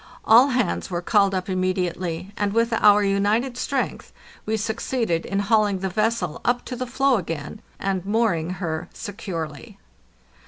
All hands were called up immediately, and with our united strength we succeeded in hauling the vessel up to the floe again and mooring her securely.